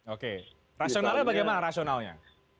oke rasionalnya bagaimana rasionalnya